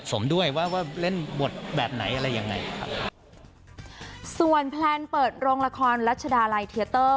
ส่วนแพลนเปิดโรงละครรัชดาลัยเทียเตอร์